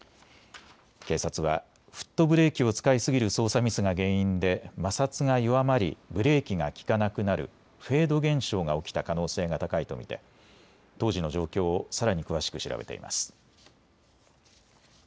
警察はフットブレーキを使いすぎる操作ミスが原因で摩擦が弱まりブレーキが利かなくなるフェード現象が起きた可能性が高いと見て当時の状況をさらに詳しく調べています。